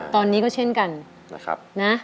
ตอนนี้ก็เช่นกันนะครับนะ